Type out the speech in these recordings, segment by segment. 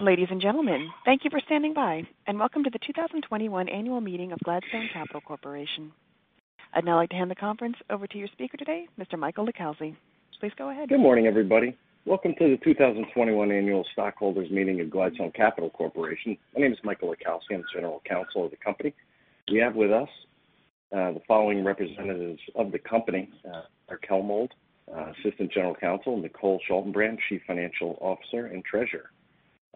Ladies and gentlemen, thank you for standing by, and welcome to the 2021 annual meeting of Gladstone Capital Corporation. I'd now like to hand the conference over to your speaker today, Mr. Michael Lukowsky. Please go ahead. Good morning, everybody. Welcome to the 2021 annual stockholders meeting of Gladstone Capital Corporation. My name is Michael Lukowsky. I'm general counsel of the company. We have with us the following representatives of the company, Erich Hellmold, assistant general counsel, Nicole Schaltenbrand, Chief Financial Officer, and treasurer.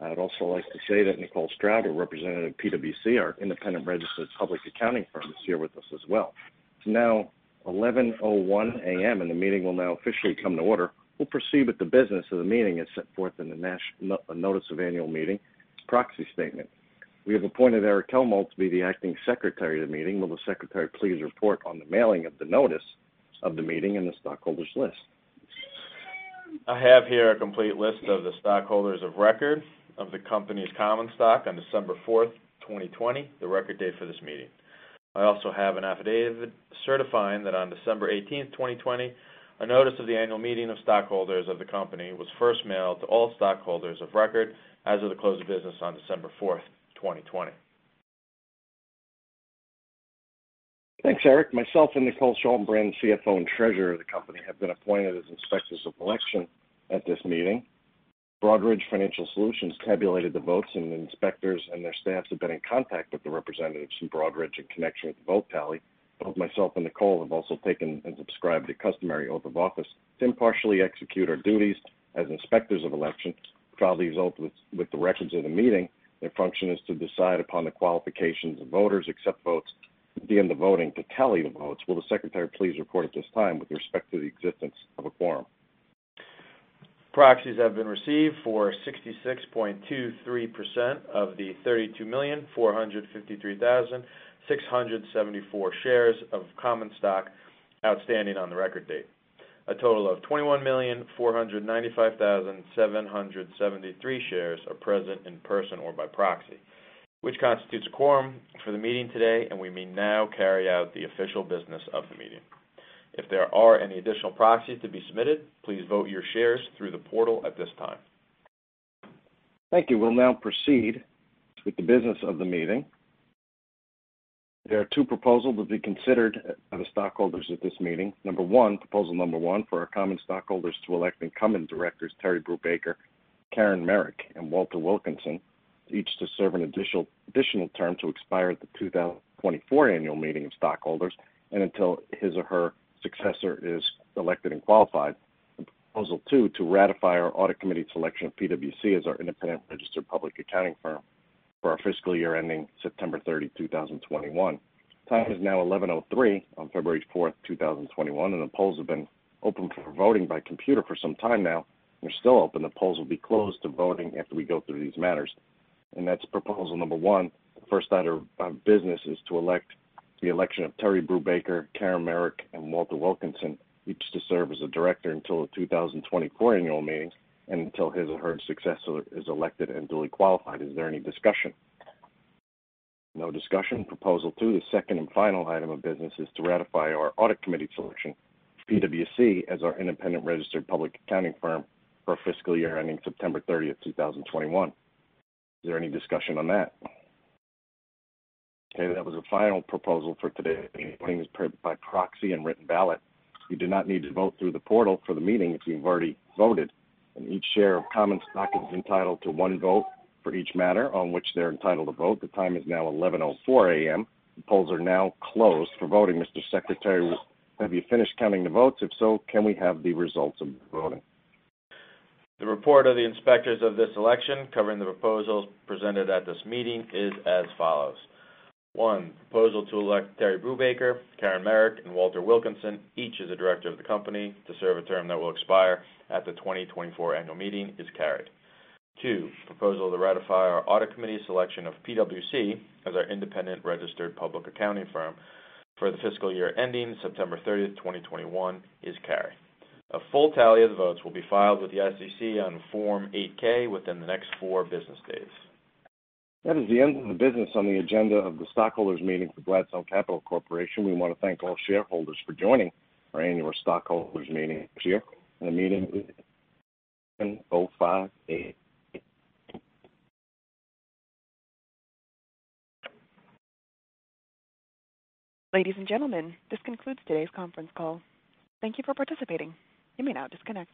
I'd also like to say that Nicole Stroud, a representative of PwC, our independent registered public accounting firm, is here with us as well. It's now 11:01 A.M., and the meeting will now officially come to order. We'll proceed with the business of the meeting as set forth in the notice of annual meeting proxy statement. We have appointed Erich Hellmold to be the acting secretary of the meeting. Will the secretary please report on the mailing of the notice of the meeting and the stockholders list? I have here a complete list of the stockholders of record of the company's common stock on December fourth, 2020, the record date for this meeting. I also have an affidavit certifying that on December 18th, 2020, a notice of the annual meeting of stockholders of the company was first mailed to all stockholders of record as of the close of business on December fourth, 2020. Thanks, Erich. Myself and Nicole Schaltenbrand, CFO, and Treasurer of the company, have been appointed as inspectors of election at this meeting. Broadridge Financial Solutions tabulated the votes, and the inspectors and their staffs have been in contact with the representatives from Broadridge in connection with the vote tally. Both myself and Nicole have also taken and subscribed a customary oath of office to impartially execute our duties as inspectors of election and file the result with the records of the meeting. Their function is to decide upon the qualifications of voters, accept votes, and begin the voting to tally the votes. Will the secretary please report at this time with respect to the existence of a quorum? Proxies have been received for 66.23% of the 32,453,674 shares of common stock outstanding on the record date. A total of 21,495,773 shares are present in person or by proxy, which constitutes a quorum for the meeting today, and we may now carry out the official business of the meeting. If there are any additional proxies to be submitted, please vote your shares through the portal at this time. Thank you. We'll now proceed with the business of the meeting. There are two proposals to be considered by the stockholders at this meeting. Number one, proposal number one, for our common stockholders to elect incumbent directors Terry Brubaker, Caren Merrick, and Walter Wilkinson, each to serve an additional term to expire at the 2024 annual meeting of stockholders, and until his or her successor is elected and qualified. Proposal two, to ratify our audit committee's selection of PwC as our independent registered public accounting firm for our fiscal year ending September 30th, 2021. Time is now 11:03 A.M. on February fourth, 2021, and the polls have been open for voting by computer for some time now and are still open. The polls will be closed to voting after we go through these matters. That's proposal number one. The first order of business is the election of Terry Brubaker, Caren Merrick, and Walter Wilkinson, each to serve as a director until the 2024 annual meeting and until his or her successor is elected and duly qualified. Is there any discussion? No discussion. Proposal two, the second and final item of business, is to ratify our audit committee's selection of PwC as our independent registered public accounting firm for our fiscal year ending September 30, 2021. Is there any discussion on that? Okay, that was the final proposal for today's meeting. Voting is by proxy and written ballot. You do not need to vote through the portal for the meeting if you've already voted. Each share of common stock is entitled to one vote for each matter on which they're entitled to vote. The time is now 11:04 A.M. The polls are now closed for voting. Mr. Secretary, have you finished counting the votes? If so, can we have the results of the voting? The report of the inspectors of this election covering the proposals presented at this meeting is as follows. One, proposal to elect Terry Brubaker, Caren Merrick, and Walter Wilkinson, each as a director of the company to serve a term that will expire at the 2024 annual meeting is carried. Two, proposal to ratify our audit committee's selection of PwC as our independent registered public accounting firm for the fiscal year ending September 30th, 2021 is carried. A full tally of the votes will be filed with the SEC on Form 8-K within the next four business days. That is the end of the business on the agenda of the stockholders' meeting for Gladstone Capital Corporation. We want to thank all shareholders for joining our annual stockholders' meeting this year. The meeting is adjourned. Ladies and gentlemen, this concludes today's conference call. Thank you for participating. You may now disconnect.